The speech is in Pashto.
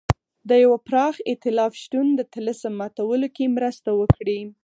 د یوه پراخ اېتلاف شتون د طلسم ماتولو کې مرسته وکړي.